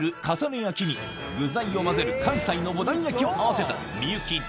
重ね焼きに具材をまぜる関西のモダン焼きを合わせた「みゆき」